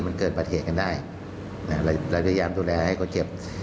มันเกิดปัจเกตกันได้เราเรือยามดูแลให้เขาเจ็บ